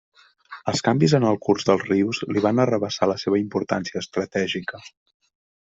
Els canvis en el curs dels rius li van arrabassar la seva importància estratègica.